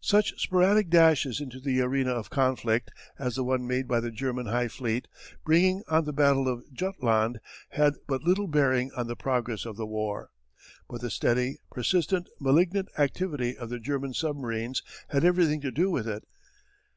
Such sporadic dashes into the arena of conflict as the one made by the German High Fleet, bringing on the Battle of Jutland, had but little bearing on the progress of the war. But the steady, persistent malignant activity of the German submarines had everything to do with it.